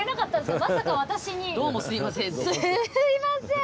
すみません。